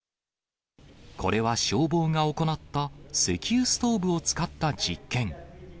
これは消防が行った石油ストーブを使った実験。